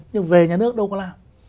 nhưng về nhà nước đâu có làm